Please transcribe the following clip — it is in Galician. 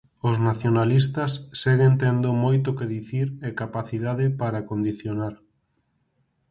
Os nacionalistas seguen tendo moito que dicir e capacidade para condicionar.